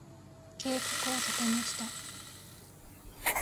計画を立てました。